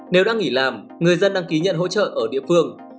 nếu đang nghỉ làm người dân đăng ký nhận hỗ trợ ở địa phương